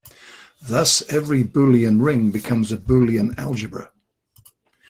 Thus every Boolean ring becomes a Boolean algebra.